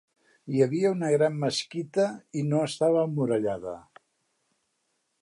Hi havia una gran mesquita i no estava emmurallada.